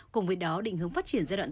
cùng với đó định hướng phát triển gia đoạn